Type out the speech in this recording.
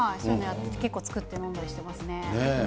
結構作って飲んだりしていますね。